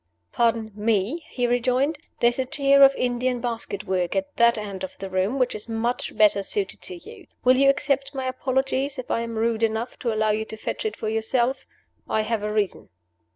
"Pardon me," he rejoined. "There is a chair of Indian basket work at that end of the room which is much better suited to you. Will you accept my apologies if I am rude enough to allow you to fetch it for yourself? I have a reason."